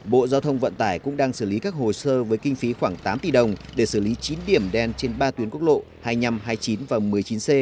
bộ giao thông vận tải cũng đang xử lý các hồ sơ với kinh phí khoảng tám tỷ đồng để xử lý chín điểm đen trên ba tuyến quốc lộ hai mươi năm hai mươi chín và một mươi chín c